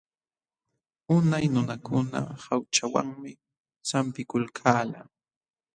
Unay nunakuna haćhawanmi sampikulkalqa.